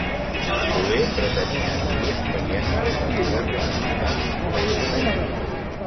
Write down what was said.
Soler pretenia adquirir experiència per poder-la aplicar a Manresa.